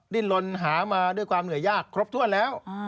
ดิ้นลนหามาด้วยความเหนื่อยยากครบถ้วนแล้ว